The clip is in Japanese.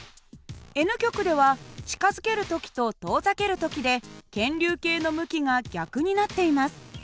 Ｎ極では近づける時と遠ざける時で検流計の向きが逆になっています。